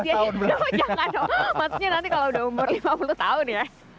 jangan maksudnya nanti kalau udah umur lima puluh tahun ya